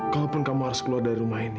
kalaupun kamu harus keluar dari rumah ini